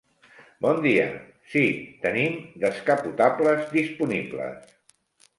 Bon dia, sí, tenim descapotables disponibles.